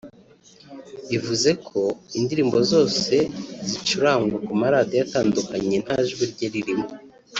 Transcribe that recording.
Bivuze ko indirimbo ze zose zicurangwa ku maradiyo atandukanye nta jwi rye ririmo